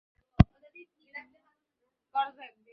কোহলি অবশ্য দাবি করছেন, রেকর্ড-টেকর্ড নিয়ে তিনি মোটেও মাথা ঘামান না।